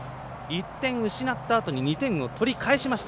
１点失ったあとに２点を取り返しました。